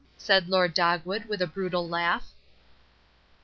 said Lord Dogwood, with a brutal laugh.